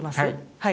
はい。